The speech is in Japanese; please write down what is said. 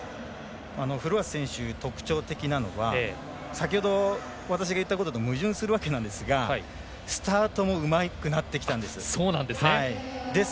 フロアス選手特徴的なのが先ほど私が言ったことと矛盾するんですがスタートもうまくなってきたんです。